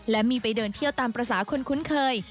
และมีไปเดินเที่ยวตามภาษาคนคุ้นเคย